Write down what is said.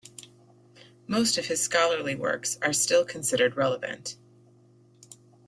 Most of his scholarly works are still considered relevant.